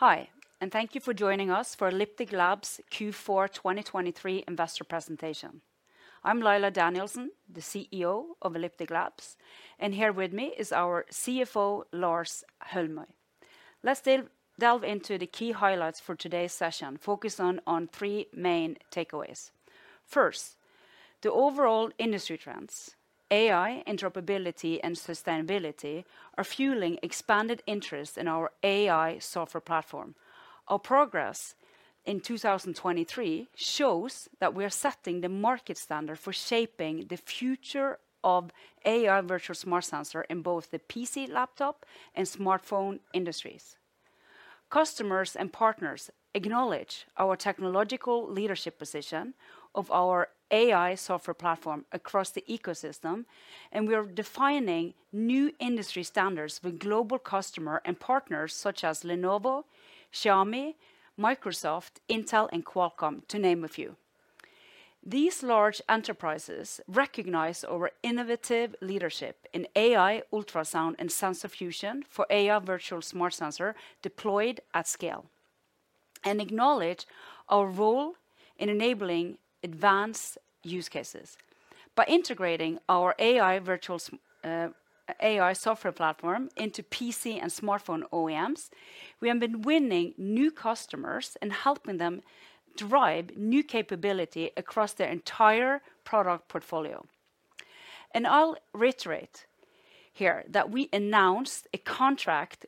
Hi, and thank you for joining us for Elliptic Labs Q4 2023 investor presentation. I'm Laila Danielsen, the CEO of Elliptic Labs, and here with me is our CFO, Lars Holmøy. Let's delve into the key highlights for today's session, focusing on three main takeaways. First, the overall industry trends: AI, interoperability, and sustainability are fueling expanded interest in our AI software platform. Our progress in 2023 shows that we are setting the market standard for shaping the future of AI virtual smart sensors in both the PC, laptop, and smartphone industries. Customers and partners acknowledge our technological leadership position of our AI software platform across the ecosystem, and we are defining new industry standards with global customers and partners such as Lenovo, Xiaomi, Microsoft, Intel, and Qualcomm, to name a few. These large enterprises recognize our innovative leadership in AI ultrasound and sensor fusion for AI Virtual Smart Sensors deployed at scale, and acknowledge our role in enabling advanced use cases. By integrating our AI software platform into PC and smartphone OEMs, we have been winning new customers and helping them drive new capability across their entire product portfolio. I'll reiterate here that we announced a contract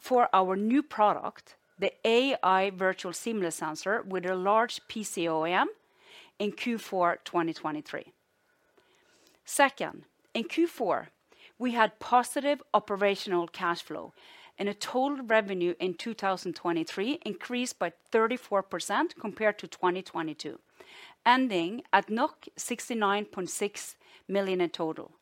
for our new product, the AI Virtual Seamless Sensor, with a large PC OEM in Q4 2023. Second, in Q4, we had positive operational cash flow, and total revenue in 2023 increased by 34% compared to 2022, ending at 69.6 million in total.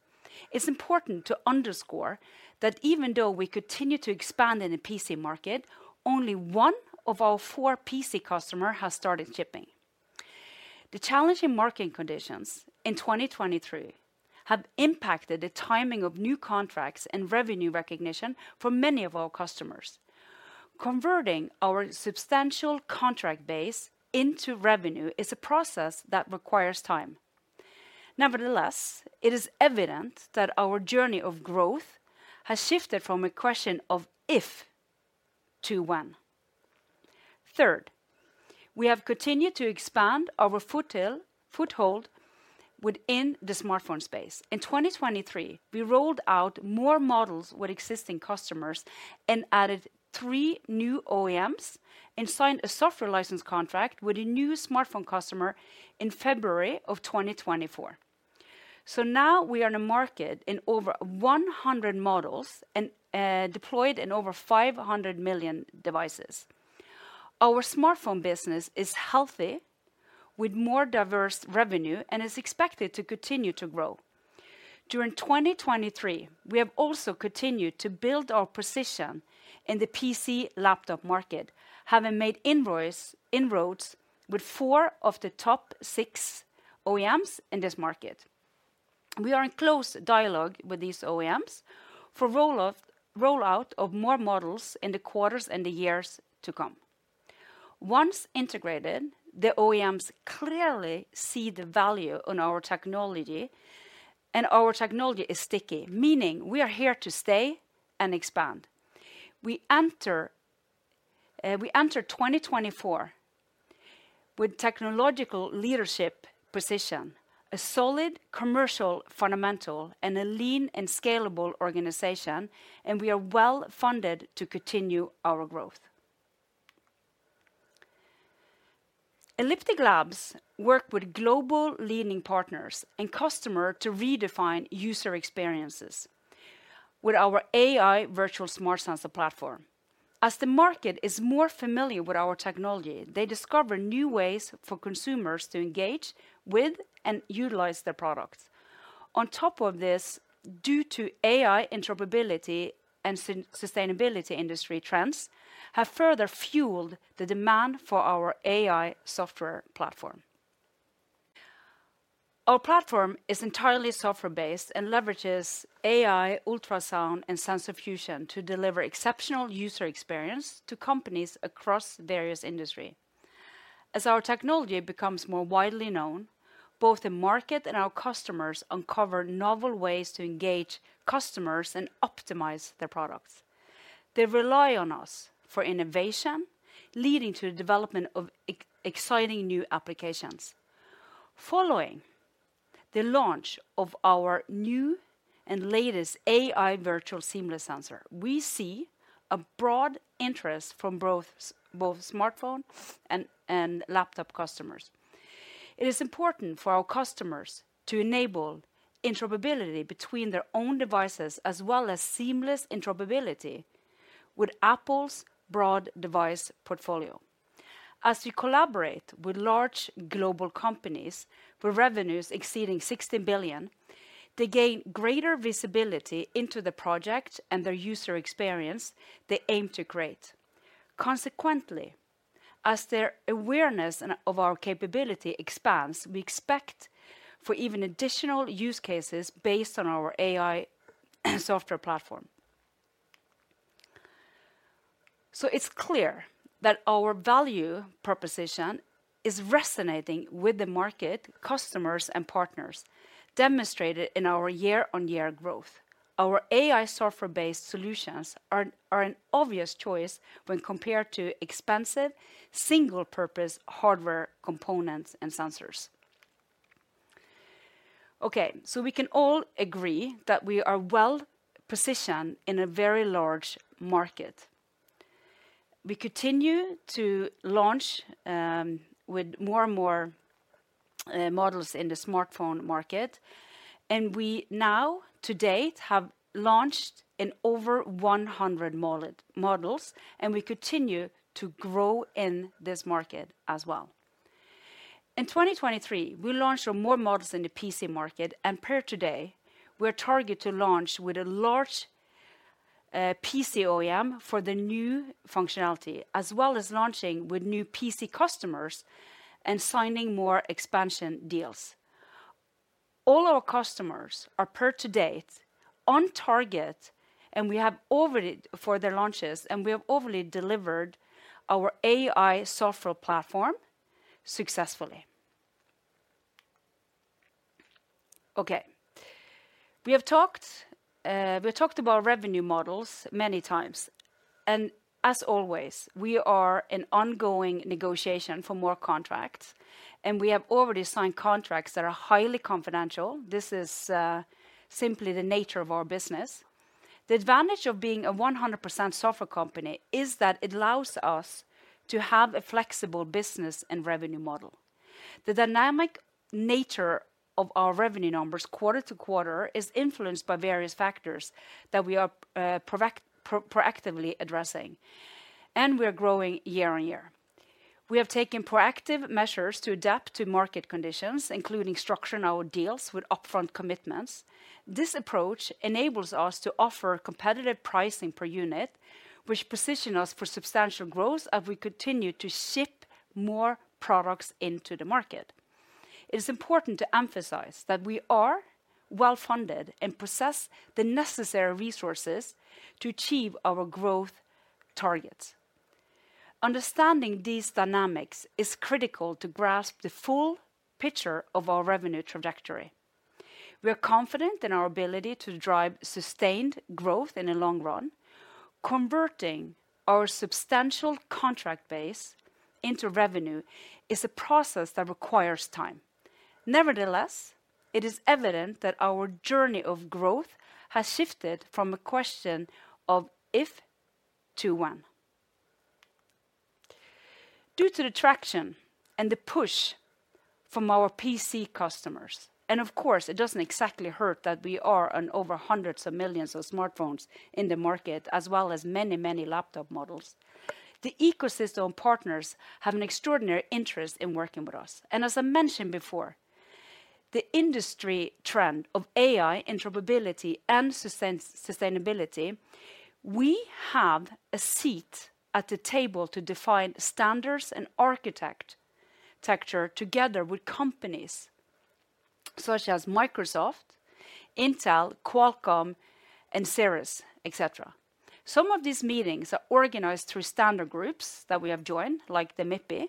It's important to underscore that even though we continue to expand in the PC market, only one of our four PC customers has started shipping. The challenging marketing conditions in 2023 have impacted the timing of new contracts and revenue recognition for many of our customers. Converting our substantial contract base into revenue is a process that requires time. Nevertheless, it is evident that our journey of growth has shifted from a question of if to when. Third, we have continued to expand our foothold within the smartphone space. In 2023, we rolled out more models with existing customers and added three new OEMs, and signed a software license contract with a new smartphone customer in February of 2024. So now we are in a market in over 100 models deployed in over 500 million devices. Our smartphone business is healthy, with more diverse revenue, and is expected to continue to grow. During 2023, we have also continued to build our position in the PC laptop market, having made inroads with four of the top six OEMs in this market. We are in close dialogue with these OEMs for rollout of more models in the quarters and the years to come. Once integrated, the OEMs clearly see the value in our technology, and our technology is sticky, meaning we are here to stay and expand. We enter 2024 with technological leadership position, a solid commercial fundamental, and a lean and scalable organization, and we are well-funded to continue our growth. Elliptic Labs works with global leading partners and customers to redefine user experiences with our AI virtual smart sensor platform. As the market is more familiar with our technology, they discover new ways for consumers to engage with and utilize their products. On top of this, due to AI interoperability and sustainability, industry trends have further fueled the demand for our AI software platform. Our platform is entirely software-based and leverages AI ultrasound and sensor fusion to deliver exceptional user experience to companies across various industries. As our technology becomes more widely known, both the market and our customers uncover novel ways to engage customers and optimize their products. They rely on us for innovation, leading to the development of exciting new applications. Following the launch of our new and latest AI Virtual Seamless Sensor, we see a broad interest from both smartphone and laptop customers. It is important for our customers to enable interoperability between their own devices as well as seamless interoperability with Apple's broad device portfolio. As we collaborate with large global companies with revenues exceeding $60 billion, they gain greater visibility into the project and the user experience they aim to create. Consequently, as their awareness of our capability expands, we expect for even additional use cases based on our AI software platform. So it's clear that our value proposition is resonating with the market, customers, and partners, demonstrated in our year-on-year growth. Our AI software-based solutions are an obvious choice when compared to expensive single-purpose hardware components and sensors. OK, so we can all agree that we are well-positioned in a very large market. We continue to launch with more and more models in the smartphone market, and we now, to date, have launched in over 100 models, and we continue to grow in this market as well. In 2023, we launched more models in the PC market, and per today, we are targeted to launch with a large PC OEM for the new functionality, as well as launching with new PC customers and signing more expansion deals. All our customers are per today on target, and we have overlaid for their launches, and we have overlaid delivered our AI software platform successfully. OK, we have talked about revenue models many times. And as always, we are in ongoing negotiation for more contracts, and we have already signed contracts that are highly confidential. This is simply the nature of our business. The advantage of being a 100% software company is that it allows us to have a flexible business and revenue model. The dynamic nature of our revenue numbers quarter-over-quarter is influenced by various factors that we are proactively addressing, and we are growing year-over-year. We have taken proactive measures to adapt to market conditions, including structuring our deals with upfront commitments. This approach enables us to offer competitive pricing per unit, which positions us for substantial growth as we continue to ship more products into the market. It is important to emphasize that we are well-funded and possess the necessary resources to achieve our growth targets. Understanding these dynamics is critical to grasp the full picture of our revenue trajectory. We are confident in our ability to drive sustained growth in the long run. Converting our substantial contract base into revenue is a process that requires time. Nevertheless, it is evident that our journey of growth has shifted from a question of if to when. Due to the traction and the push from our PC customers, and of course, it doesn't exactly hurt that we are in over hundreds of millions of smartphones in the market, as well as many, many laptop models, the ecosystem of partners have an extraordinary interest in working with us. As I mentioned before, the industry trend of AI interoperability and sustainability, we have a seat at the table to define standards and architecture together with companies such as Microsoft, Intel, Qualcomm, and Cirrus, et cetera. Some of these meetings are organized through standard groups that we have joined, like the MIPI.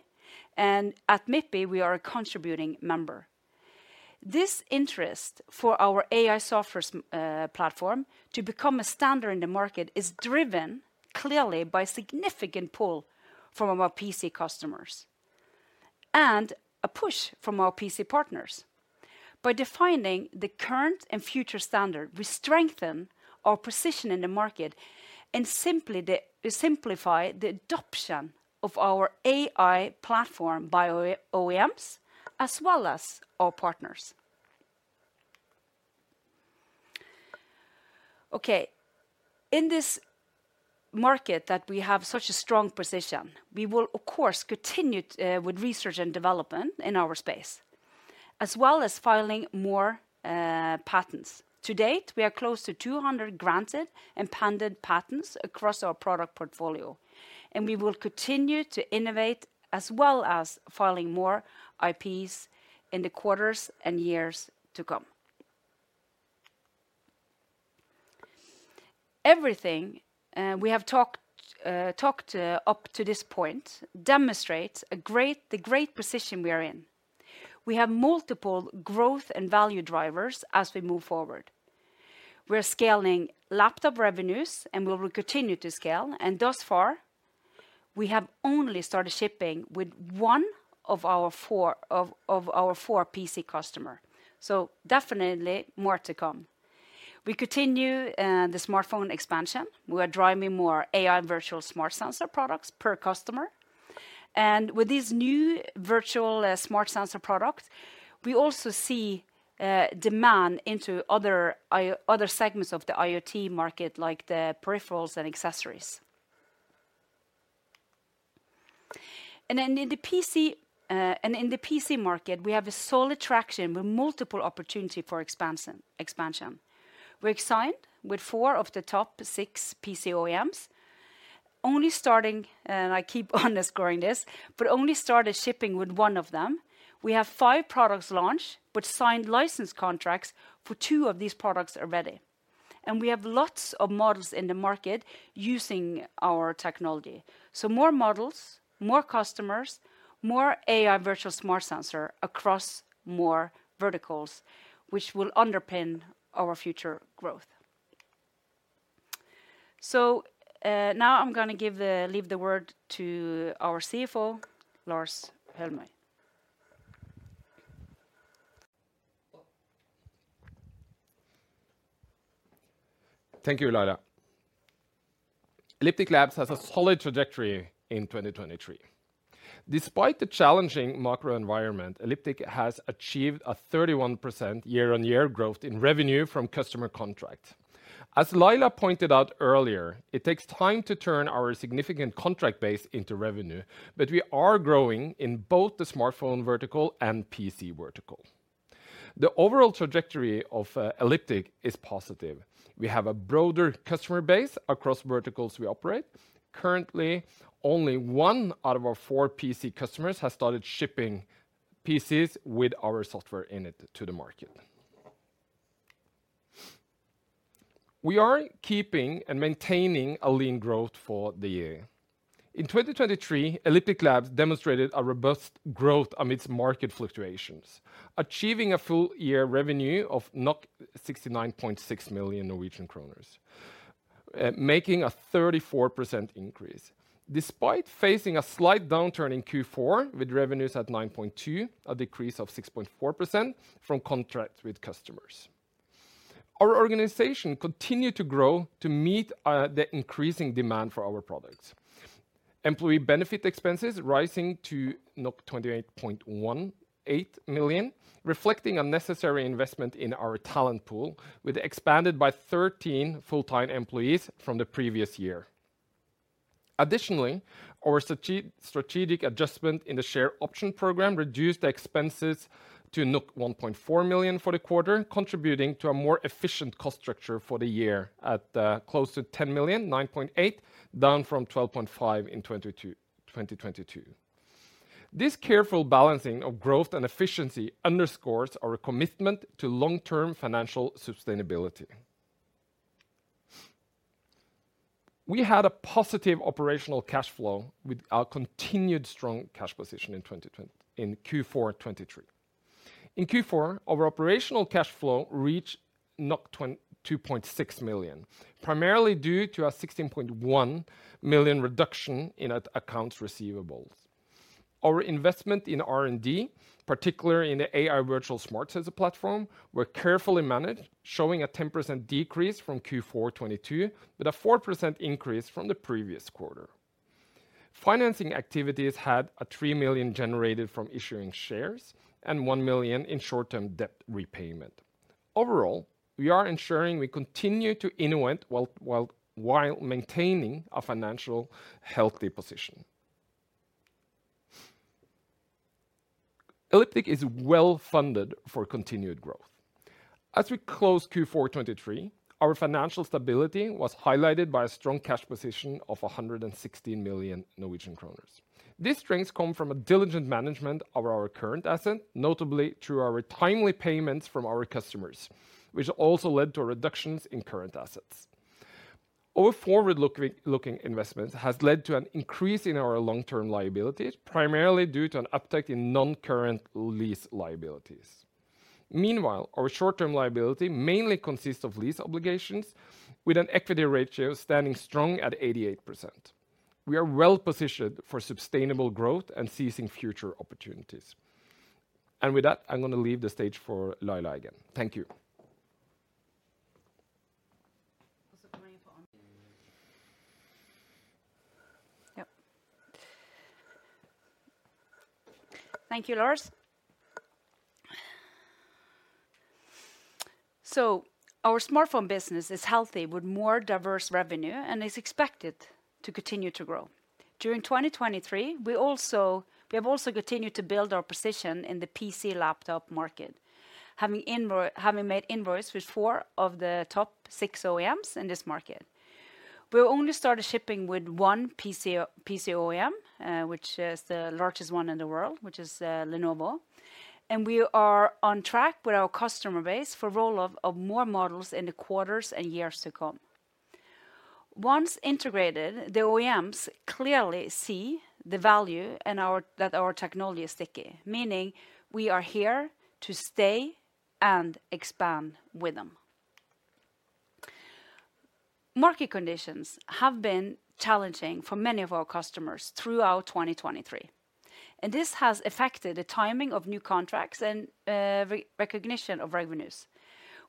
At MIPI, we are a contributing member. This interest for our AI software platform to become a standard in the market is driven clearly by a significant pull from our PC customers and a push from our PC partners. By defining the current and future standard, we strengthen our position in the market and simplify the adoption of our AI platform by OEMs, as well as our partners. OK, in this market that we have such a strong position, we will, of course, continue with research and development in our space, as well as filing more patents. To date, we are close to 200 granted and pending patents across our product portfolio. We will continue to innovate, as well as filing more IPs in the quarters and years to come. Everything we have talked up to this point demonstrates the great position we are in. We have multiple growth and value drivers as we move forward. We are scaling laptop revenues, and we will continue to scale. Thus far, we have only started shipping with one of our four PC customers. Definitely more to come. We continue the smartphone expansion. We are driving more AI Virtual Smart Sensor products per customer. With these new Virtual Smart Sensor products, we also see demand into other segments of the IoT market, like the peripherals and accessories. In the PC market, we have a solid traction with multiple opportunities for expansion. We are signed with four of the top six PC OEMs. Only starting, and I keep underscoring this, but only started shipping with one of them. We have five products launched with signed license contracts for two of these products already. We have lots of models in the market using our technology. More models, more customers, more AI Virtual Smart Sensors across more verticals, which will underpin our future growth. Now I'm going to leave the word to our CFO, Lars Holmøy. Thank you, Laila. Elliptic Labs has a solid trajectory in 2023. Despite the challenging macro environment, Elliptic Labs has achieved a 31% year-over-year growth in revenue from customer contracts. As Laila pointed out earlier, it takes time to turn our significant contract base into revenue, but we are growing in both the smartphone vertical and PC vertical. The overall trajectory of Elliptic Labs is positive. We have a broader customer base across verticals we operate. Currently, only one out of our four PC customers has started shipping PCs with our software in it to the market. We are keeping and maintaining a lean growth for the year. In 2023, Elliptic Labs demonstrated a robust growth amidst market fluctuations, achieving a full-year revenue of 69.6 million Norwegian kroner, making a 34% increase, despite facing a slight downturn in Q4 with revenues at 9.2 million, a decrease of 6.4% from contracts with customers. Our organization continued to grow to meet the increasing demand for our products. Employee benefit expenses are rising to 28.18 million, reflecting a necessary investment in our talent pool, with it expanded by 13 full-time employees from the previous year. Additionally, our strategic adjustment in the share option program reduced the expenses to 1.4 million for the quarter, contributing to a more efficient cost structure for the year at close to $10 million, $9.8 million, down from $12.5 million in 2022. This careful balancing of growth and efficiency underscores our commitment to long-term financial sustainability. We had a positive operational cash flow with our continued strong cash position in Q4 and 2023. In Q4, our operational cash flow reached 2.6 million, primarily due to a $16.1 million reduction in accounts receivables. Our investment in R&D, particularly in the AI Virtual Smart Sensor Platform, was carefully managed, showing a 10% decrease from Q4 2022 with a 4% increase from the previous quarter. Financing activities had $3 million generated from issuing shares and $1 million in short-term debt repayment. Overall, we are ensuring we continue to innovate while maintaining a financially healthy position. Elliptic is well-funded for continued growth. As we closed Q4 2023, our financial stability was highlighted by a strong cash position of 116 million Norwegian kroner. These strengths come from a diligent management of our current assets, notably through our timely payments from our customers, which also led to reductions in current assets. Our forward-looking investment has led to an increase in our long-term liabilities, primarily due to an uptake in non-current lease liabilities. Meanwhile, our short-term liability mainly consists of lease obligations, with an equity ratio standing strong at 88%. We are well-positioned for sustainable growth and seizing future opportunities. With that, I'm going to leave the stage for Laila again. Thank you. Yep. Thank you, Lars. Our smartphone business is healthy with more diverse revenue, and it's expected to continue to grow. During 2023, we have also continued to build our position in the PC laptop market, having made inroads with four of the top six OEMs in this market. We only started shipping with one PC OEM, which is the largest one in the world, which is Lenovo. We are on track with our customer base for the rollout of more models in the quarters and years to come. Once integrated, the OEMs clearly see the value that our technology is sticky, meaning we are here to stay and expand with them. Market conditions have been challenging for many of our customers throughout 2023. This has affected the timing of new contracts and recognition of revenues.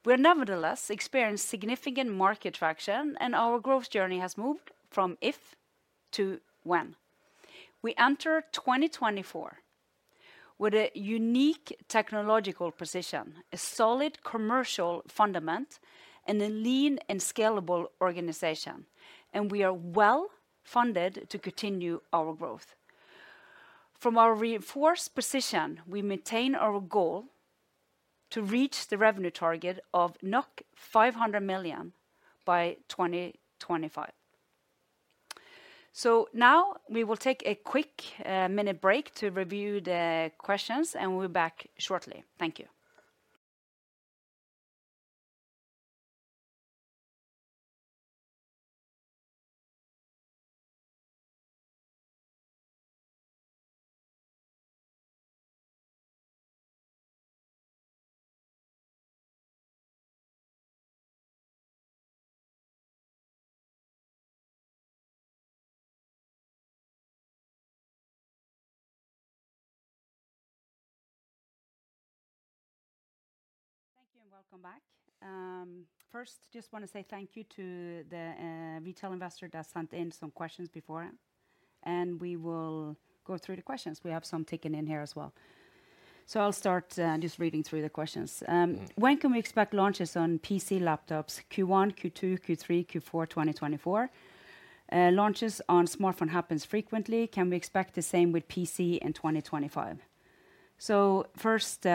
We have nevertheless experienced significant market traction, and our growth journey has moved from if to when. We entered 2024 with a unique technological position, a solid commercial fundament, and a lean and scalable organization. We are well-funded to continue our growth. From our reinforced position, we maintain our goal to reach the revenue target of 500 million by 2025. So now we will take a quick minute break to review the questions, and we'll be back shortly. Thank you. Thank you, and welcome back. First, I just want to say thank you to the retail investor that sent in some questions beforehand. And we will go through the questions. We have some taken in here as well. So I'll start just reading through the questions. When can we expect launches on PC laptops Q1, Q2, Q3, Q4 2024? Launches on smartphones happen frequently. Can we expect the same with PC in 2025? So first,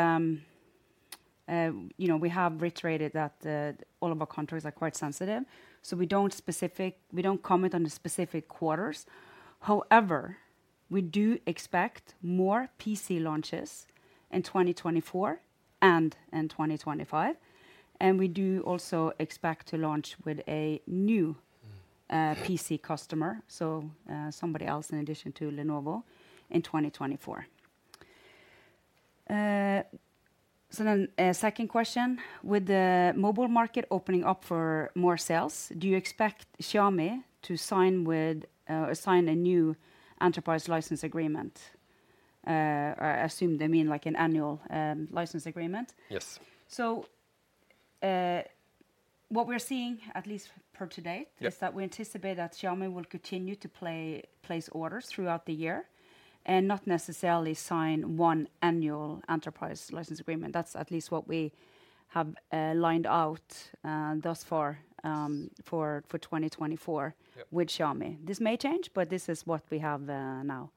we have reiterated that all of our contracts are quite sensitive. So we don't comment on the specific quarters. However, we do expect more PC launches in 2024 and in 2025. And we do also expect to launch with a new PC customer, so somebody else in addition to Lenovo, in 2024. So then a second question. With the mobile market opening up for more sales, do you expect Xiaomi to sign a new enterprise license agreement? I assume they mean like an annual license agreement. Yes. So what we're seeing, at least per today, is that we anticipate that Xiaomi will continue to place orders throughout the year and not necessarily sign one annual enterprise license agreement. That's at least what we have lined out thus far for 2024 with Xiaomi. This may change, but this is what we have now.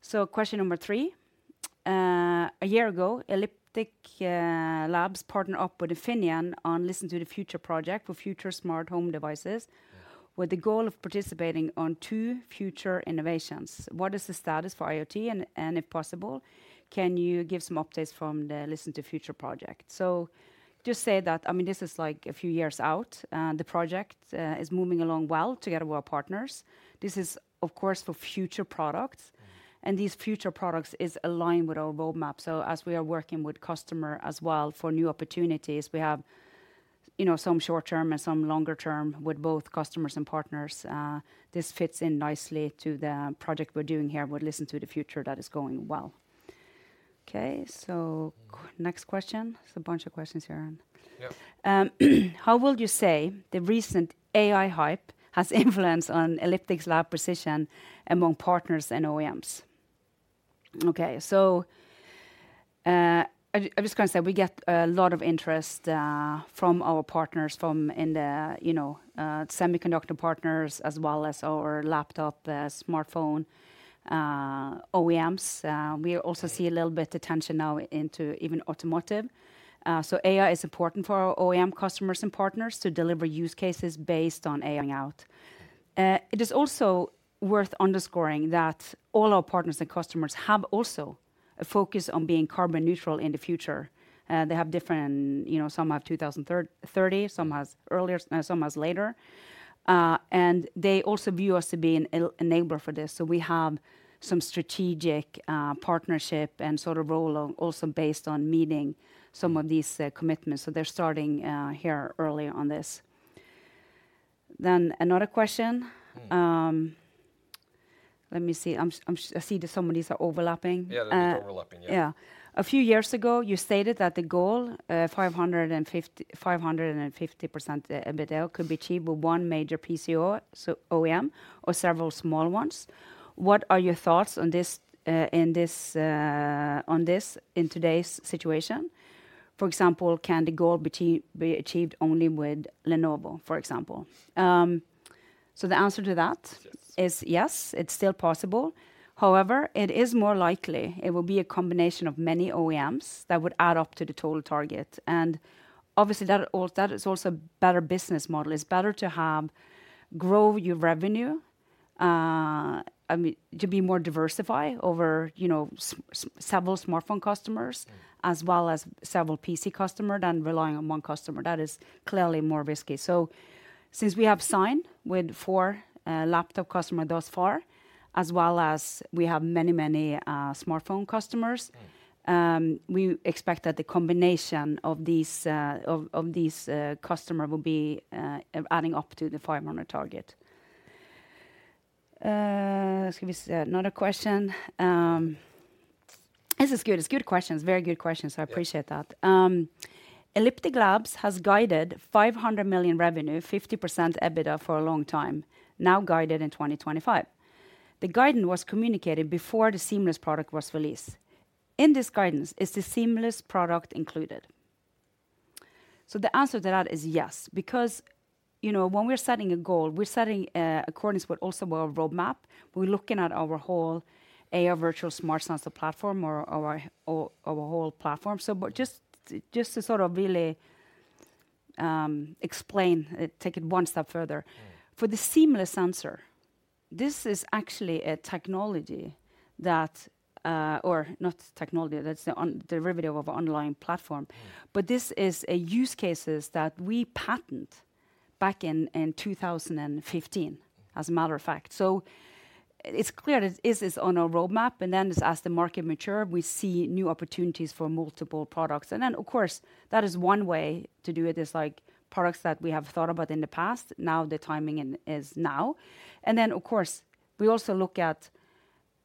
So question number three. A year ago, Elliptic Labs partnered up with Infineon on Listen2Future project for future smart home devices with the goal of participating in two future innovations. What is the status for IoT? And if possible, can you give some updates from the Listen2Future project? So just say that, I mean, this is like a few years out. The project is moving along well together with our partners. This is, of course, for future products. These future products align with our roadmap. So as we are working with customers as well for new opportunities, we have some short-term and some longer-term with both customers and partners. This fits in nicely to the project we're doing here with Listen2Future that is going well. OK, so next question. There's a bunch of questions here. How would you say the recent AI hype has influenced Elliptic Labs' position among partners and OEMs? OK, so I'm just going to say we get a lot of interest from our partners, from the semiconductor partners, as well as our laptop smartphone OEMs. We also see a little bit of attention now into even automotive. So AI is important for our OEM customers and partners to deliver use cases based on AI out. It is also worth underscoring that all our partners and customers have also a focus on being carbon neutral in the future. They have different; some have 2030, some have earlier, some have later. And they also view us to be an enabler for this. So we have some strategic partnership and sort of role also based on meeting some of these commitments. So they're starting here early on this. Then another question. Let me see. I see that some of these are overlapping. Yeah, they're overlapping, yeah. Yeah. A few years ago, you stated that the goal, 500 MNOK, could be achieved with one major PC OEM or several small ones. What are your thoughts on this in today's situation? For example, can the goal be achieved only with Lenovo, for example? So the answer to that is yes, it's still possible. However, it is more likely it will be a combination of many OEMs that would add up to the total target. And obviously, that is also a better business model. It's better to grow your revenue, I mean, to be more diversified over several smartphone customers as well as several PC customers than relying on one customer. That is clearly more risky. So since we have signed with four laptop customers thus far, as well as we have many, many smartphone customers, we expect that the combination of these customers will be adding up to the 500 million target. Let's see. Another question. This is good. It's good questions. Very good questions. I appreciate that. Elliptic Labs has guided 500 million revenue, 50% EBITDA for a long time, now guided in 2025. The guidance was communicated before the seamless product was released. In this guidance, is the seamless product included? So the answer to that is yes, because when we're setting a goal, we're setting according to also our roadmap. We're looking at our whole AI Virtual Smart Sensor Platform or our whole platform. So just to sort of really explain, take it one step further. For the Seamless Sensor, this is actually a technology that or not technology. That's the derivative of an online platform. But this is a use case that we patented back in 2015, as a matter of fact. So it's clear that this is on our roadmap. And then as the market matured, we see new opportunities for multiple products. And then, of course, that is one way to do it. It's like products that we have thought about in the past. Now the timing is now. And then, of course, we also look at,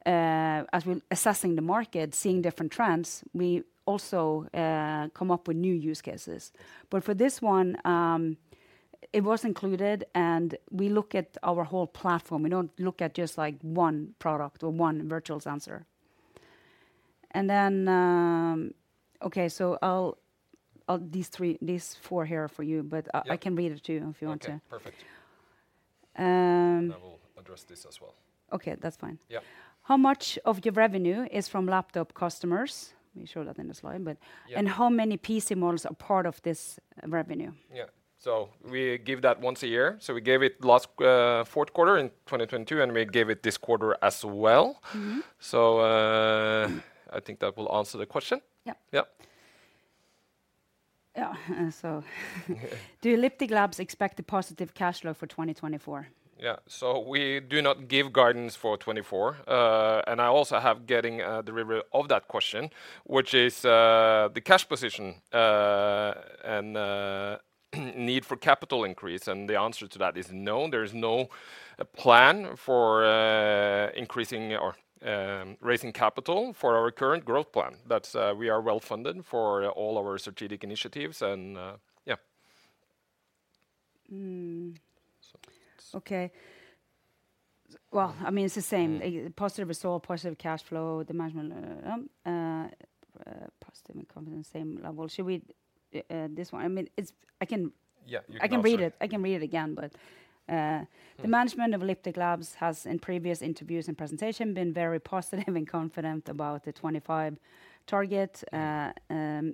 as we're assessing the market, seeing different trends, we also come up with new use cases. But for this one, it was included. And we look at our whole platform. We don't look at just like one product or one virtual sensor. And then OK, so I'll these four here for you. But I can read it to you if you want to. OK, perfect. And I will address this as well. OK, that's fine. Yeah. How much of your revenue is from laptop customers? Let me show that in the slide. But how many PC models are part of this revenue? Yeah. So we give that once a year. So we gave it last Q4 in 2022. And we gave it this quarter as well. So I think that will answer the question. Yeah. Yeah. Yeah. So do Elliptic Labs expect a positive cash flow for 2024? Yeah. So we do not give guidance for 2024. And I also have getting a derivative of that question, which is the cash position and need for capital increase. And the answer to that is no. There is no plan for increasing or raising capital for our current growth plan. We are well-funded for all our strategic initiatives. And yeah. OK. Well, I mean, it's the same. Positive result, positive cash flow, the management positive and confident, same level. Should we this one? I mean, I can read it. I can read it again. But the management of Elliptic Labs has, in previous interviews and presentations, been very positive and confident about the 2025 target.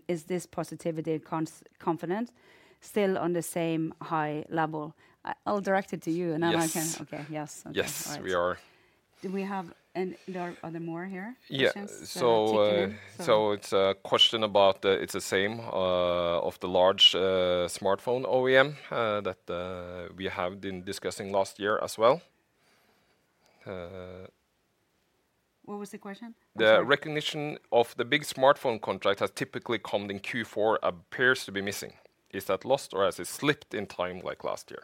Is this positivity and confidence still on the same high level? I'll direct it to you. And then I can OK, yes. OK. Yes, we are. Do we have—are there more questions here? Yeah. So it's a question about—it's the same as the large smartphone OEM that we have been discussing last year as well. What was the question? The recognition of the big smartphone contract that typically comes in Q4 appears to be missing. Is that lost, or has it slipped in time like last year?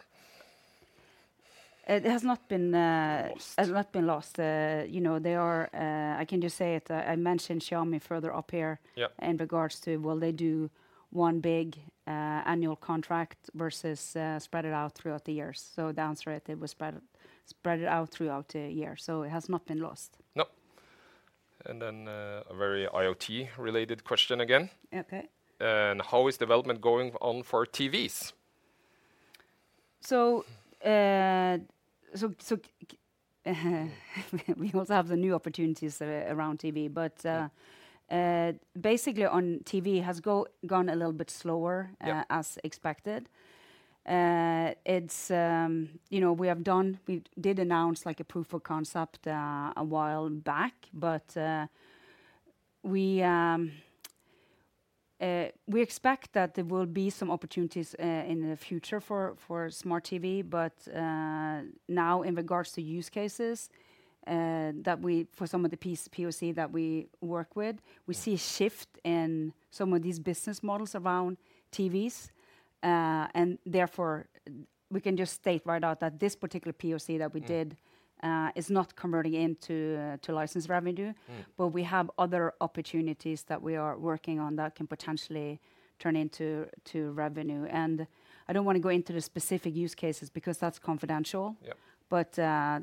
It has not been lost. It has not been lost. They are—I can just say it. I mentioned Xiaomi further up here in regards to, well, they do one big annual contract versus spread it out throughout the years. So the answer is it was spread it out throughout the year. So it has not been lost. No. And then a very IoT-related question again. OK. And how is development going on for TVs? So we also have the new opportunities around TV. But basically, on TV, it has gone a little bit slower as expected. We did announce like a proof of concept a while back. But we expect that there will be some opportunities in the future for smart TV. But now, in regards to use cases for some of the POCs that we work with, we see a shift in some of these business models around TVs. And therefore, we can just state right out that this particular POC that we did is not converting into license revenue. But we have other opportunities that we are working on that can potentially turn into revenue. And I don't want to go into the specific use cases because that's confidential. But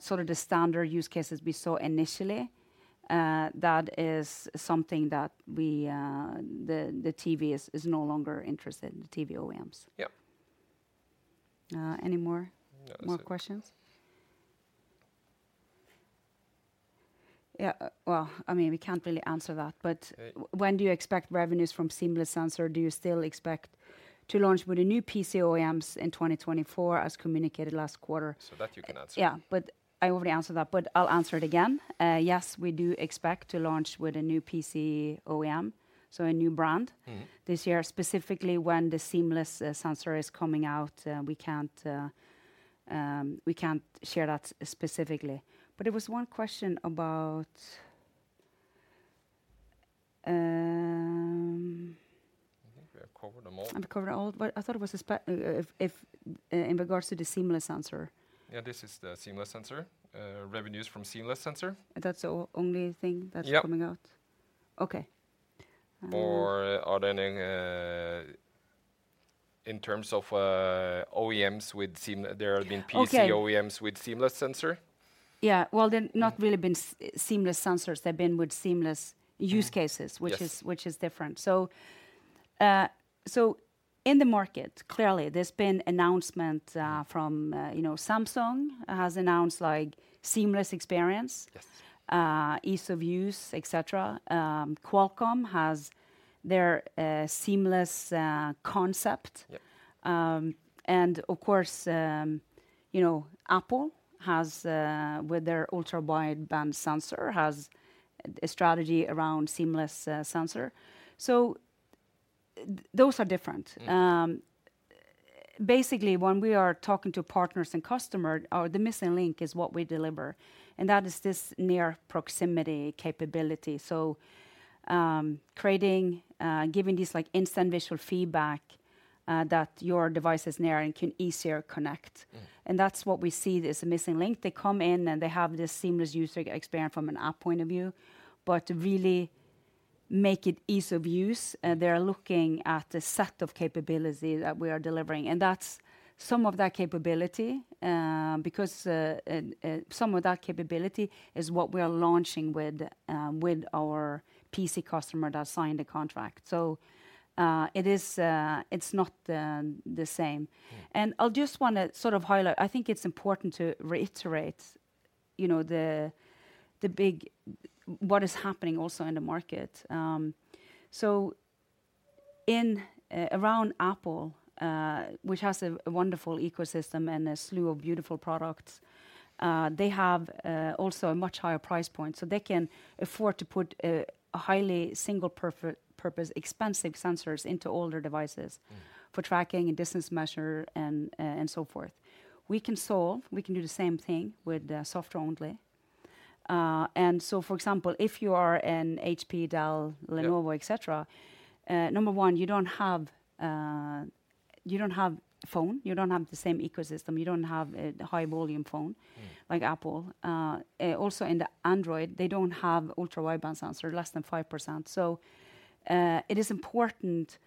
sort of the standard use cases we saw initially, that is something that we the TV is no longer interested in, the TV OEMs. Yeah. Any more questions? Yeah. Well, I mean, we can't really answer that. But when do you expect revenues from Seamless Sensor? Do you still expect to launch with the new PC OEMs in 2024, as communicated last quarter? So that you can answer. Yeah. But I already answered that. But I'll answer it again. Yes, we do expect to launch with a new PC OEM, so a new brand this year, specifically when the Seamless Sensor is coming out. We can't share that specifically. But there was one question about - I think we have covered them all. I've covered them all. But I thought it was in regards to the Seamless Sensor. Yeah, this is the Seamless Sensor, revenues from Seamless Sensor. That's the only thing that's coming out? Yeah. OK. Or, are there any in terms of OEMs with seamless? There have been PC OEMs with seamless sensor? Yeah. Well, they've not really been seamless sensors. They've been with seamless use cases, which is different. So in the market, clearly, there's been announcements from Samsung has announced like seamless experience, ease of use, et cetera. Qualcomm has their seamless concept. And of course, Apple has, with their ultra-wideband sensor, has a strategy around seamless sensor. So those are different. Basically, when we are talking to partners and customers, the missing link is what we deliver. And that is this near proximity capability. So creating, giving this instant visual feedback that your device is near and can easier connect. And that's what we see is the missing link. They come in, and they have this seamless user experience from an app point of view. But to really make it ease of use, they're looking at the set of capabilities that we are delivering. And that's some of that capability because some of that capability is what we are launching with our PC customer that signed the contract. So it's not the same. And I'll just want to sort of highlight I think it's important to reiterate the big what is happening also in the market. So around Apple, which has a wonderful ecosystem and a slew of beautiful products, they have also a much higher price point. So they can afford to put highly single-purpose, expensive sensors into older devices for tracking and distance measure and so forth. We can solve we can do the same thing with software only. And so, for example, if you are an HP, Dell, Lenovo, et cetera, number one, you don't have a phone. You don't have the same ecosystem. You don't have a high-volume phone like Apple. Also, in the Android, they don't have ultra-wideband sensor, less than 5%. So it is important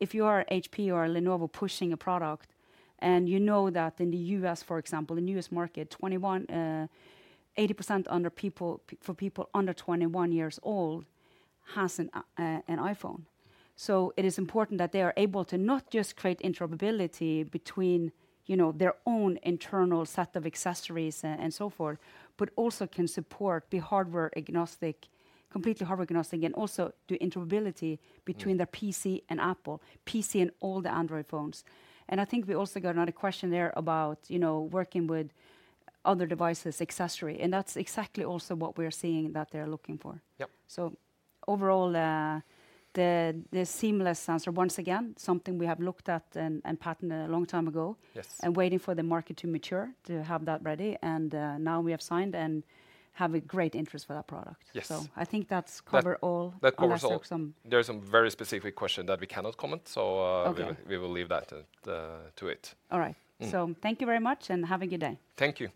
if you are HP or Lenovo pushing a product and you know that in the U.S., for example, the newest market, 80% under people for people under 21 years old has an iPhone. So it is important that they are able to not just create interoperability between their own internal set of accessories and so forth, but also can support be hardware agnostic, completely hardware agnostic, and also do interoperability between their PC and Apple, PC and all the Android phones. And I think we also got another question there about working with other devices, accessory. And that's exactly also what we are seeing that they're looking for. So overall, the seamless sensor, once again, something we have looked at and patented a long time ago and waiting for the market to mature, to have that ready. And now we have signed and have a great interest for that product. So I think that's covered all. That covers all. There's a very specific question that we cannot comment. So we will leave that to it. All right. So thank you very much, and have a good day. Thank you.